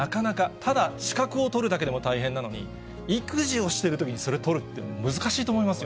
ただ、資格を取るだけでも大変なのに、育児をしてるときにそれ、取るって、難しいと思いますよ。